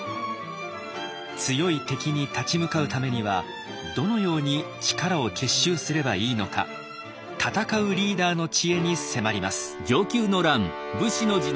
強い敵に立ち向かうためにはどのように力を結集すればいいのか戦うリーダーの知恵に迫ります。